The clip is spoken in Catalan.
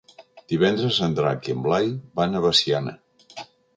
Divendres en Drac i en Blai van a Veciana.